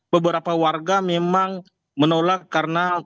beberapa warga memang menolak karena